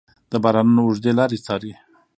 د بارانونو اوږدې لارې څارې